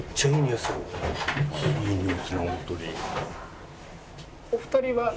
いいにおいするホントに。